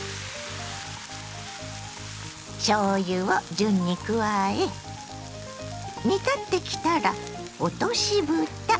順に加え煮立ってきたら落としぶた。